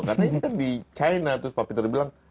karena ini kan di china terus pak peter bilang